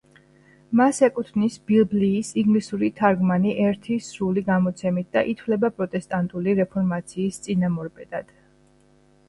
მას ეკუთვნის ბიბლიის ინგლისური თარგმანი ერთი სრული გამოცემით და ითვლება პროტესტანტული რეფორმაციის წინამორბედად.